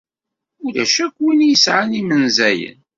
Ulac akk win i yesɛan imenzayen?